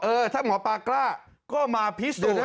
เออถ้าหมอปลากล้าก็มาพิสูจน์